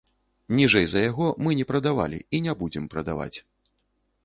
Ніжэй за яго мы не прадавалі і не будзем прадаваць.